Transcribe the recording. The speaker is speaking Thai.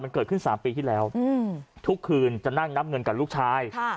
มันเกิดขึ้น๓ปีที่แล้วทุกคืนจะนั่งนับเงินกับลูกชาย